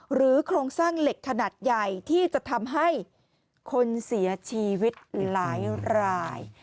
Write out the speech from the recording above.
โครงสร้างเหล็กขนาดใหญ่ที่จะทำให้คนเสียชีวิตหลายราย